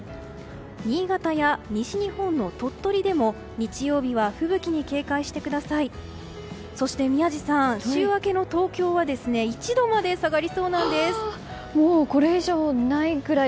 新潟や西日本の鳥取でも日曜日は吹雪に警戒してください。